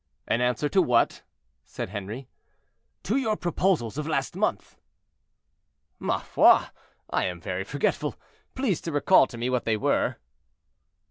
"An answer to what?" said Henri. "To your proposals of last month." "Ma foi! I am very forgetful! please to recall to me what they were."